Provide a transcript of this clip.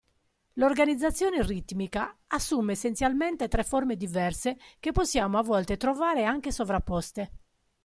L'organizzazione ritmica, assume essenzialmente tre forme diverse che possiamo a volte trovare anche sovrapposte.